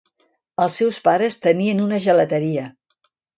Els seus pares tenien una gelateria.